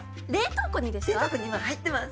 冷凍庫にですか！？